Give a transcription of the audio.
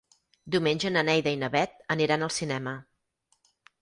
Diumenge na Neida i na Bet aniran al cinema.